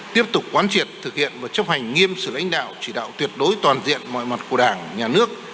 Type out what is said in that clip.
tiếp tục quán triệt thực hiện và chấp hành nghiêm sự lãnh đạo chỉ đạo tuyệt đối toàn diện mọi mặt của đảng nhà nước